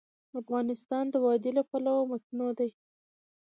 افغانستان د وادي له پلوه متنوع دی.